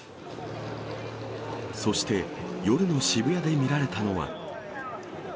そして、夜の渋谷で見られたのは。